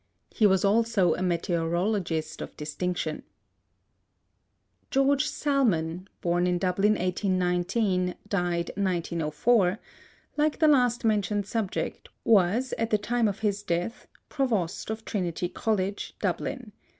He was also a meteorologist of distinction. George Salmon (b. in Dublin 1819, d. 1904), like the last mentioned subject, was, at the time of his death, Provost of Trinity College, Dublin.